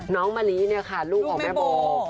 มะลิเนี่ยค่ะลูกของแม่โบ